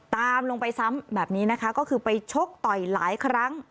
ตามลงไปซ้ำแบบนี้นะคะก็คือไปชกต่อยหลายครั้ง